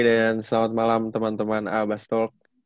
dan selamat malam teman teman abas talk